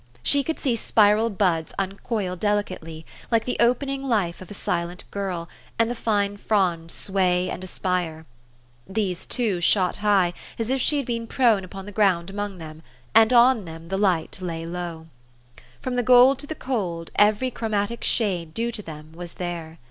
She could see spiral buds uncoil delicately, like the opening life of a silent girl, and the fine fronds sway and aspire. These, too, shot high, as if she had been prone upon the ground among them ; and on them the light lay low. From the gold to the cold, every chromatic shade due to them was there.